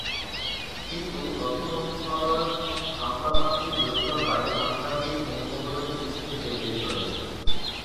কিন্তু তথ্য মন্ত্রণালয়ের আমলাতান্ত্রিক জটিলতায় আমদানির অনুমোদনের চিঠি পেতে দেরি হয়েছে।